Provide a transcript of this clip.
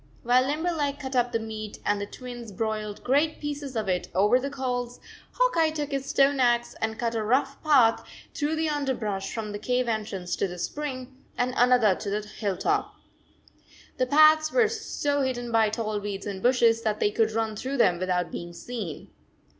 While Limberleg cut up the meat and the Twins broiled great pieces of it over the coals, Hawk Eye took his stone axe and a rough path through the underbrush 124 from the cave entrance to the spring, and another to the hill top. The paths were so hidden by tall weeds and bushes that they could run through them without being seen.